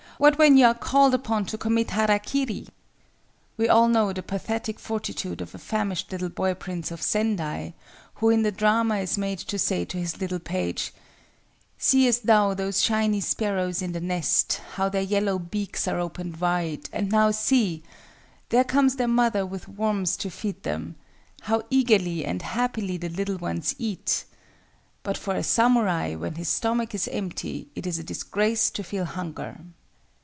What when you are called upon to commit harakiri?" We all know the pathetic fortitude of a famished little boy prince of Sendai, who in the drama is made to say to his little page, "Seest thou those tiny sparrows in the nest, how their yellow bills are opened wide, and now see! there comes their mother with worms to feed them. How eagerly and happily the little ones eat! but for a samurai, when his stomach is empty, it is a disgrace to feel hunger."